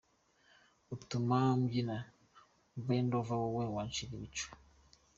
Utuma mbyina bend over wowe wanshira ibicu.